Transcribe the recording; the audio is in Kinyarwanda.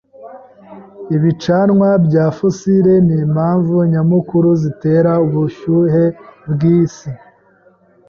Ibicanwa bya fosile nimpamvu nyamukuru zitera ubushyuhe bwisi.